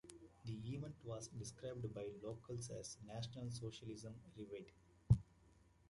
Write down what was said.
The event was described by locals as "National Socialism revived".